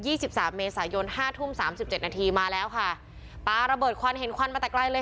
สิบสามเมษายนห้าทุ่มสามสิบเจ็ดนาทีมาแล้วค่ะปลาระเบิดควันเห็นควันมาแต่ไกลเลย